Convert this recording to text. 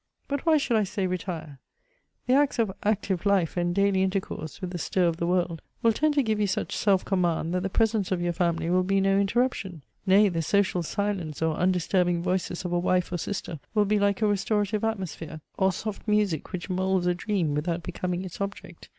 But why should I say retire? The habits of active life and daily intercourse with the stir of the world will tend to give you such self command, that the presence of your family will be no interruption. Nay, the social silence, or undisturbing voices of a wife or sister will be like a restorative atmosphere, or soft music which moulds a dream without becoming its object.